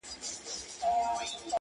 چې زمونږ وجود پریښود